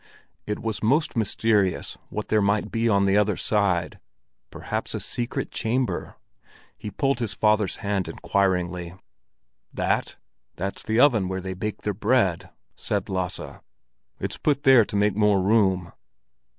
It was most mysterious what there might be on the other side—perhaps a secret chamber? He pulled his father's hand inquiringly. "That? That's the oven where they bake their bread," said Lasse. "It's put there to make more room."